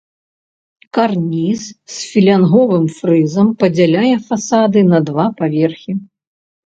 Карніз з філянговым фрызам падзяляе фасады на два паверхі.